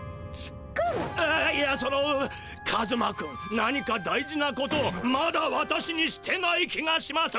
ああいやそのカズマ君何か大事なことをまだ私にしてない気がします。